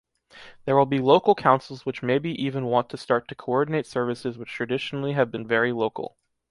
There will be local councils which maybe even want to start to coordinate services which traditionally have been very local.